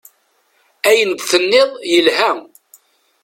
Ayen-d-tenniḍ yelha.